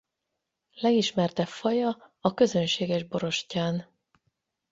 Legismertebb faja a közönséges borostyán.